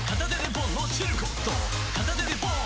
片手でポン！